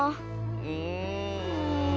うん。